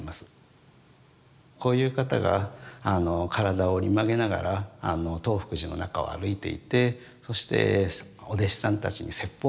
こういう方が体を折り曲げながら東福寺の中を歩いていてそしてお弟子さんたちに説法をするというのはですね